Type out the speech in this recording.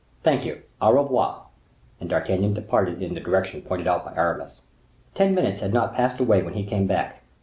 "Thank you! au revoir." And D'Artagnan departed in the direction pointed out by Aramis. Ten minutes had not passed away when he came back.